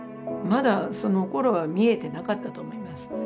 まだそのころは見えてなかったと思います。